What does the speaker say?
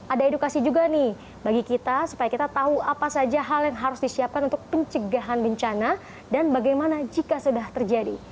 ada edukasi juga nih bagi kita supaya kita tahu apa saja hal yang harus disiapkan untuk pencegahan bencana dan bagaimana jika sudah terjadi